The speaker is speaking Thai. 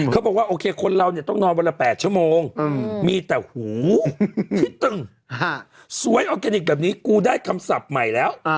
เขาบอกว่าโอเคคนเราเนี่ยต้องนอนวันละ๘ชั่วโมงมีแต่หูที่ตึงสวยออร์แกนิคแบบนี้กูได้คำศัพท์ใหม่แล้ว